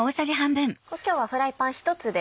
今日はフライパン１つで？